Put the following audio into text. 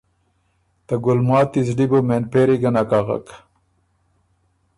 ته ګُلماتی زلی بو مېن پېری ګه نک اغک۔